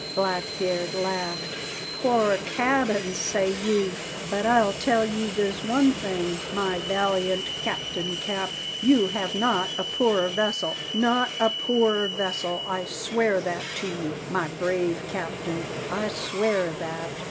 Blackbeard laughed. "Poor cabin, say you? But I'll tell you this one thing, my valiant Captain Cap; you have not a poor vessel, not a poor vessel, I swear that to you, my brave captain, I swear that!"